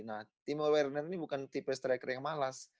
nah timo werner ini bukan tipe striker yang malas